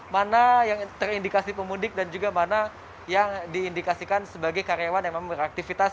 mana yang terindikasi pemudik dan juga mana yang diindikasikan sebagai karyawan yang memang beraktivitas